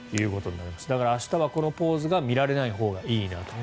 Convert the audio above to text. だから明日はこのポーズが見られないといいなと。